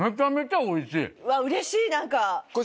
うわうれしい何か。